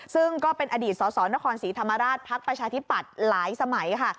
ซึ่งก็เป็นอดีตสนศิษร์ธรรมราจพรรคประชาธิบัติหลายสมัยค่ะ